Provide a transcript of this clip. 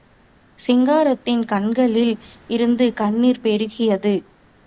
சிங்காரத்தின் கண்களில் இருந்து கண்ணீர் பெருகியது.